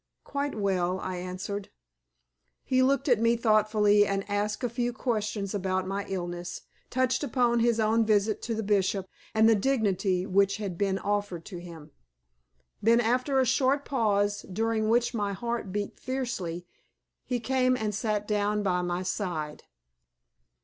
"Quite well," I answered. He looked at me thoughtfully, and asked a few questions about my illness, touched upon his own visit to the Bishop, and the dignity which had been offered to him. Then after a short pause, during which my heart beat fiercely, he came and sat down by my side.